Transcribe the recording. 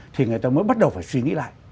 thì người ta mới bắt đầu phải suy nghĩ lại